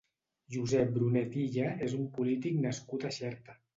Josep Brunet Illa és un polític nascut a Xerta.